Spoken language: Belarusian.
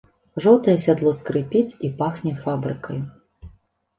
Жоўтае сядло скрыпіць і пахне фабрыкаю.